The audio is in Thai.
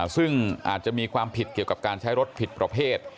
ซึ่งอาจจะมีความผิดเกี่ยวกับการใช้รถผิดประเภท